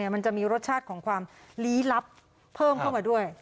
มันจะมีรสชาติของความลี้ลับเพิ่มเข้ามาด้วย